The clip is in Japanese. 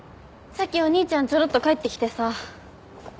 さっきお兄ちゃんちょろっと帰ってきてさ。